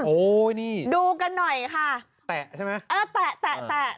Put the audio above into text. โอ้ยนี่ดูกันหน่อยค่ะแตะใช่ไหมเออแตะ